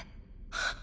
はっ！